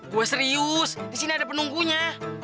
gue serius disini ada penunggunya